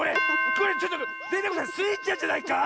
これちょっとデテコさんスイちゃんじゃないか